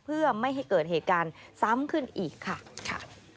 เพื่อไม่ให้เกิดเหตุการณ์ซ้ำขึ้นอีกค่ะ